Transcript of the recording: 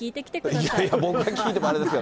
いやいや、僕は聞いてもあれですよ。